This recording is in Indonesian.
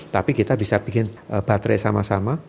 tapi kita bisa bikin baterai sama sama